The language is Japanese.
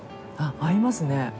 合いますね。